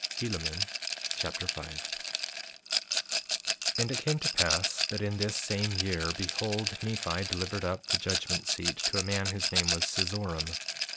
Helaman Chapter 5 5:1 And it came to pass that in this same year, behold, Nephi delivered up the judgment seat to a man whose name was Cezoram.